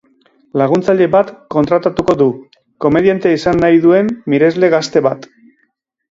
Laguntzaile bat kontratatuko du, komediante izan nahi duen miresle gazte bat.